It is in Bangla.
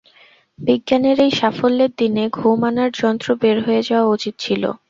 বিজ্ঞানের এই সাফল্যের দিনে ঘুম আনার যন্ত্র বের হয়ে যাওয়া উচিত ছিল।